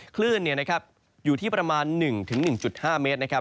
คลื่นอยู่ที่ประมาณ๑๑๕เมตรนะครับ